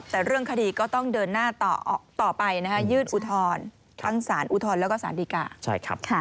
แต่เรื่องคดีก็ต้องเดินหน้าต่อไปนะฮะยื่นอุทธรณ์ทั้งสารอุทธรณ์แล้วก็สารดีกา